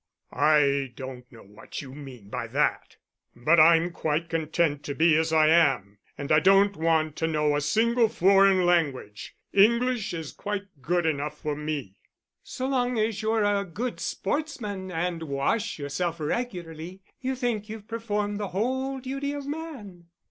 "I don't know what you mean by that, but I'm quite content to be as I am, and I don't want to know a single foreign language. English is quite good enough for me." "So long as you're a good sportsman and wash yourself regularly, you think you've performed the whole duty of man."